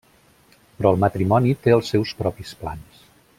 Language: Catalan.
Però el matrimoni té els seus propis plans.